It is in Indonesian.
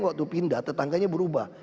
waktu pindah tetangganya berubah